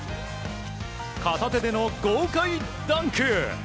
片手での豪快ダンク！